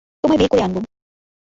তোমায় বের করে আনব।